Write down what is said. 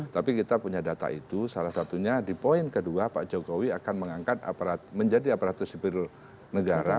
tapi kita punya data itu salah satunya di poin kedua pak jokowi akan mengangkat menjadi aparatur sipil negara